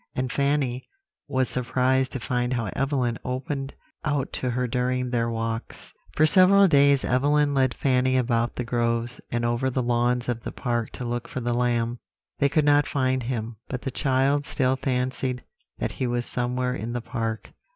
And Fanny was surprised to find how Evelyn opened out to her during their walks. "For several days Evelyn led Fanny about the groves and over the lawns of the park to look for the lamb. They could not find him, but the child still fancied that he was somewhere in the park.